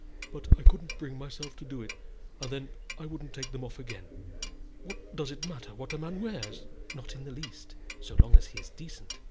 But I couldn't bring myself to do it, and then I wouldn't take them off again. What does it matter what a man wears?" "Not in the least, so long as he is decent."